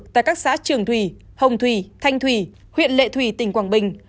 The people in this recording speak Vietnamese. tại các xã trường thủy hồng thủy thanh thủy huyện lệ thủy tỉnh quảng bình